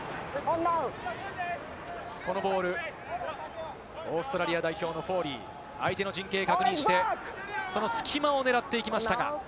このボール、オーストラリア代表のフォーリー、相手の陣形を確認して、その隙間を狙っていきましたが。